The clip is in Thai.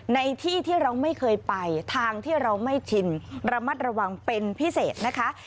ในที่ที่เราไม่เคยไปทางที่เราไม่ชินระมัดระวังเป็นพิเศษนะคะ